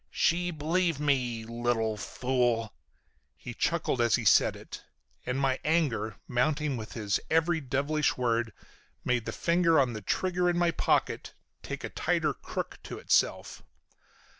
She believed me. Little fool!" He chuckled as he said it, and my anger, mounting with his every devilish word, made the finger on the trigger in my pocket take a tighter crook to itself.